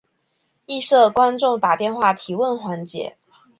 亦设观众打电话提问环节。